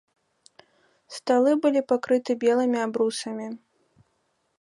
Сталы былі пакрыты белымі абрусамі.